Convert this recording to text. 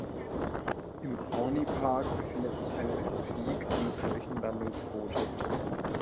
Im Pawnee Park befindet sich eine Replik eines solchen Landungsboote.